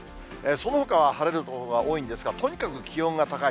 そのほかは晴れる所が多いんですが、とにかく気温が高い。